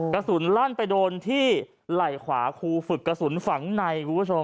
กระสุนลั่นไปโดนที่ไหล่ขวาครูฝึกกระสุนฝังในคุณผู้ชม